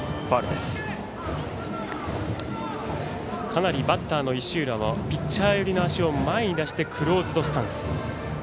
かなりバッターの石浦もピッチャー寄りの足を前に出して、クローズドスタンス。